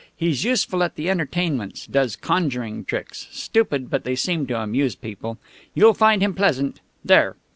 He's useful at the entertainments does conjuring tricks stupid, but they seem to amuse people. You'll find him pleasant. There."